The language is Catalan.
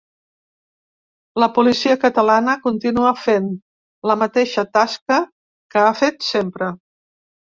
La policia catalana continua fent la mateixa tasca que ha fet sempre.